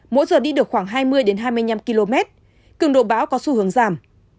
mỗi giờ đi được khoảng hai mươi hai mươi năm km cường độ bão có xu hướng giảm